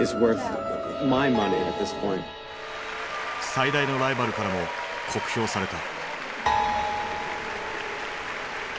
最大のライバルからも酷評された。